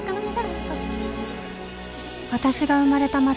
私が生まれた街